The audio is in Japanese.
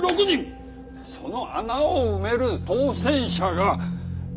その穴を埋める当選者が７１４人。